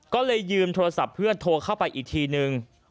ก็เลยยืมโทรศัพท์เพื่อนโทรเข้าไปอีกทีนึง